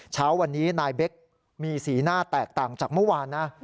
เช้าวันนี้นายเบคมีสีหน้าแตกต่างจากเมื่อวานนะ